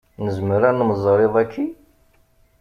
Nezmer ad nemẓeṛ iḍ-aki?